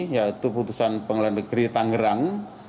yaitu putusan pengadilan negeri tangerang